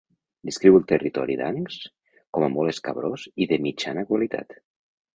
Descriu el territori d'Ancs com a molt escabrós i de mitjana qualitat.